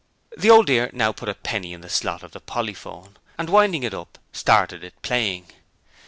The Old Dear now put a penny in the slot of the polyphone, and winding it up started it playing.